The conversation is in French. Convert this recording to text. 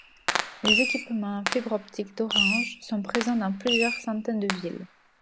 Les équipements fibres optiques d'Orange sont présents dans plusieurs centaines de villes.